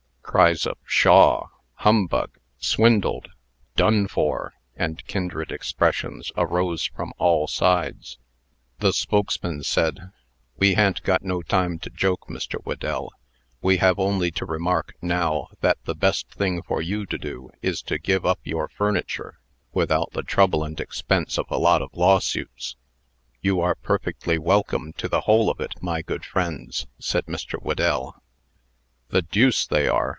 Cries of "Pshaw!" "Humbug!" "Swindled!" "Done for!" and kindred expressions, arose from all sides. The spokesman said: "We ha'n't got no time to joke, Mr. Whedell. We have only to remark, now, that the best thing for you to do is to give up your furniture, without the trouble and expense of a lot of lawsuits." "You are perfectly welcome to the whole of it, my good friends," said Mr. Whedell. "The, deuce they are!"